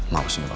mau sih lo